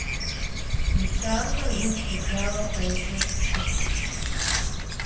НысащӀэр уд хъужауэ къежьэу щыст.